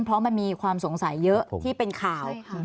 เพราะมันมีความสงสัยเยอะที่เป็นข่าว